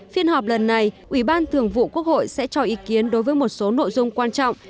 phiên họp lần này ủy ban thường vụ quốc hội sẽ cho ý kiến đối với một số nội dung quan trọng